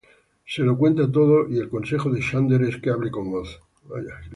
Se lo cuenta todo y el consejo de Xander es que hable con Oz.